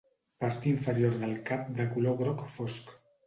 Part inferior del cap de color groc fosc.